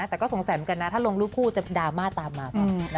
แต่ก็สงสัยเหมือนกันนะถ้าลงรูปคู่จะดราม่าตามมาเปล่า